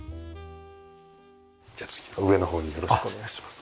じゃあ次の上の方によろしくお願いします。